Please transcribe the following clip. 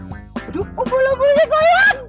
aduh umbul umbul ini goyang